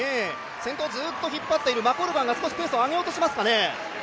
先頭、ずっと引っ張っているマコルガンがペースを上げようとしていますかね？